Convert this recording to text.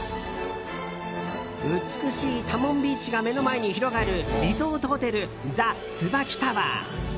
美しいタモンビーチが目の前に広がるリゾートホテルザツバキタワー。